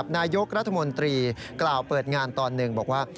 นายกรัฐมนตรีกล่าวเปิดงานตอนหนึ่งบอกว่า